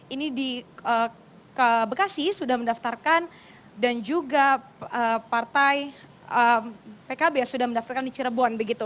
ini di bekasi sudah mendaftarkan dan juga partai pkb yang sudah mendaftarkan di cirebon begitu